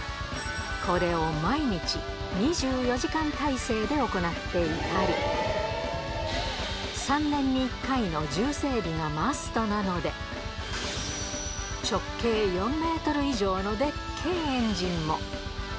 これを毎日２４時間態勢で行っていたり、３年に１回の重整備がマストなので、直径４メートル以上のでっけえエンジンも。